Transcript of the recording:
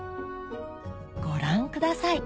ご覧ください